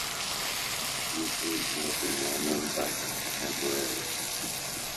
She appears to have been well known by her contemporaries.